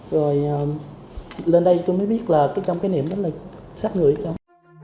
rồi lên đây tôi mới biết là trong cái niệm đó là sát người ở trong